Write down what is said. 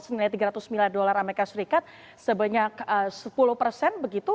sebilan dari tiga ratus miliar dolar as sebanyak sepuluh persen begitu